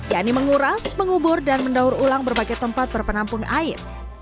yakni menguras mengubur dan mendaur ulang berbagai tempat berpenampung air